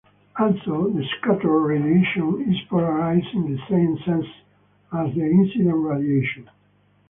Also, the scattered radiation is polarized in the same sense as the incident radiation.